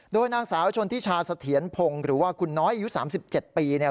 โดยนางสาวชนที่ชาสะเถียนพงษ์หรือว่าคุณน้อยอายุ๓๗ปี